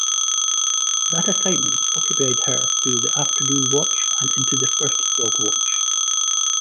That assignment occupied her through the afternoon watch and into the first dog watch.